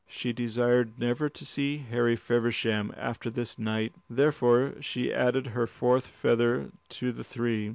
She desired never to see Harry Feversham after this night. Therefore she added her fourth feather to the three.